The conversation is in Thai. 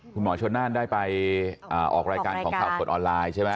คุณหมอชนน่านได้ไปออกรายการของข่าวสดออนไลน์ใช่ไหม